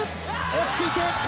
落ち着いて。